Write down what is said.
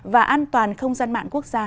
và an toàn không gian mạng quốc gia